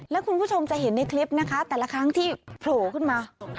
แล้วคุณผู้ชมจะเห็นในคลิปนะคะแต่ละครั้งที่โผล่ขึ้นมา